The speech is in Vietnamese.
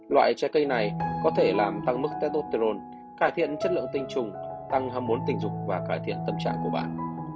loại trái cây này có thể làm tăng mức tétotron cải thiện chất lượng tinh trùng tăng hâm mốn tình dục và cải thiện tâm trạng của bạn